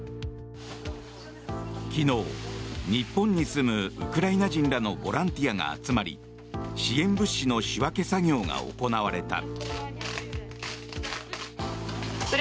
昨日、日本に住むウクライナ人らのボランティアが集まり支援物資の仕分け作業が行われた。